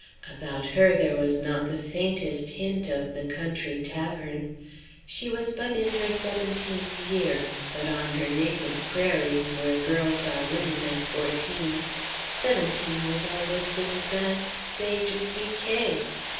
About her there was not the faintest hint of the country tavern. She was but in her seventeenth year; but on her native prairies, where girls are women at fourteen, seventeen was almost an advanced stage of decay.